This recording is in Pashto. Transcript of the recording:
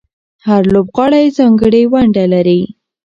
هر لوبغاړی ځانګړې ونډه لري.